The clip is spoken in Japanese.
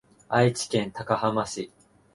愛知県高浜市